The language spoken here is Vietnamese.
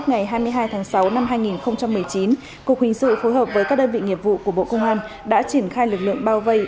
ngày hai mươi hai tháng sáu năm hai nghìn một mươi chín cục hình sự phối hợp với các đơn vị nghiệp vụ của bộ công an đã triển khai lực lượng bao vây